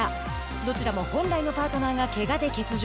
どちらも本来のパートナーがけがで欠場。